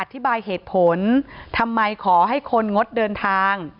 อธิบายเหตุผลทำไมขอให้คนงดเดินทาง